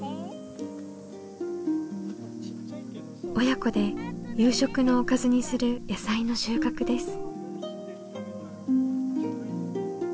親子で夕食のおかずにする野菜の収穫です。